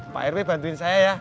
pak rw bantuin saya ya